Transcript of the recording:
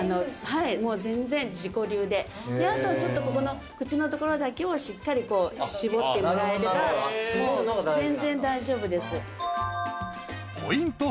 はいもう全然自己流でであとちょっとここの口のところだけをしっかり絞ってもらえればもう全然大丈夫ですポイント